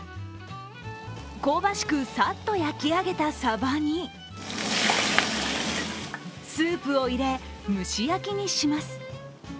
香ばしく、サッと焼き上げたサバにスープを入れ、蒸し焼きにします。